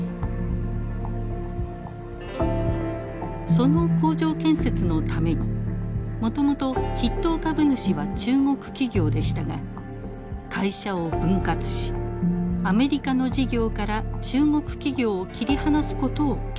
その工場建設のためにもともと筆頭株主は中国企業でしたが会社を分割しアメリカの事業から中国企業を切り離すことを決定。